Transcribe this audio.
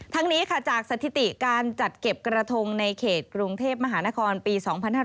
นี้ค่ะจากสถิติการจัดเก็บกระทงในเขตกรุงเทพมหานครปี๒๕๕๙